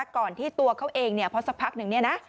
ก่อนที่ตัวเขาเองเพราะสักพักหนึ่งเนี่ยนะ